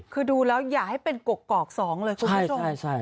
คือดูแล้วอย่าให้เป็นกกอกสองเลยคุณผู้ชม